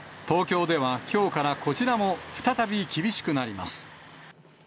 東京ではきょうからこちらも再び厳しくなります。